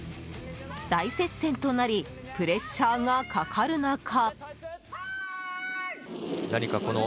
大接戦となりプレッシャーがかかる中。